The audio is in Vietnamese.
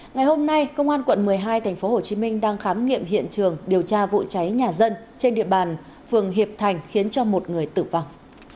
ngày hôm nay công an quận một mươi hai tp hcm đang khám nghiệm hiện trường điều tra vụ cháy nhà dân trên địa bàn phường hiệp thành khiến cho một người tử vong